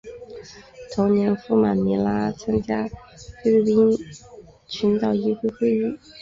同年赴马尼拉参加菲律宾群岛医学会会议。